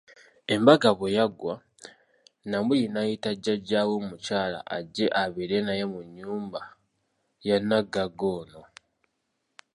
Embaga bwe yaggwa, Namuli n'ayita jjaja we omukyala ajje abeere naye mu nnyumba ya naggagga ono.